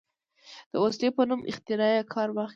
د وسلې په نوم اختراع یې کار واخیست.